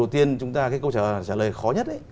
thì chúng ta cái câu trả lời khó nhất ấy